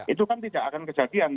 itu kan tidak akan kejadian